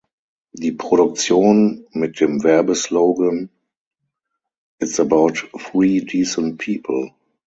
Die Produktion mit dem Werbeslogan „"It's about three decent people.